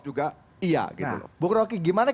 juga iya gitu loh nah bok roki gimana